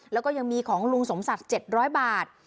แล้วก็ยังมีของลุงสมศักดิ์เจ็ดร้อยบาท